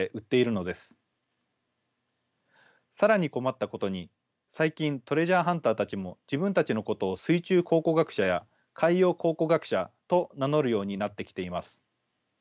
更に困ったことに最近トレジャーハンターたちも自分たちのことを水中考古学者や海洋考古学者と名乗るようになってきています。